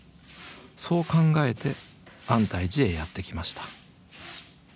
そう考えて安泰寺へやって来ました。